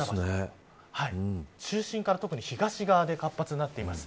中心から特に東側で活発になっています。